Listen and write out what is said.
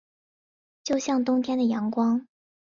就像冬天的阳光